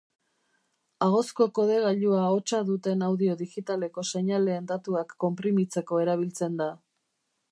Ahozko kodegailua hotsa duten audio digitaleko seinaleen datuak konprimitzeko erabiltzen da.